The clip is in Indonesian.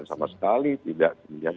sama sekali tidak